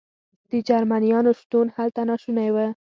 د جرمنیانو شتون هلته ناشونی و.